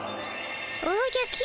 おじゃ公。